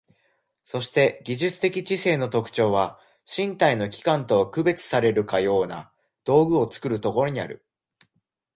そして技術的知性の特徴は、身体の器官とは区別されるかような道具を作るところにある。